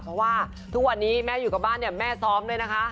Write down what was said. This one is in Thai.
เพราะว่าทุกวันนี้แม่อยู่กับบ้านเนี่ยแม่ซ้อมด้วยนะคะ